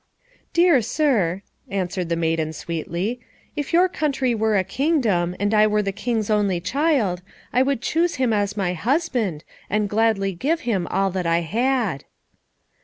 "Dear sir," answered the maiden sweetly, "if your county were a kingdom, and I were the king's only child, I would choose him as my husband, and gladly give him all that I had."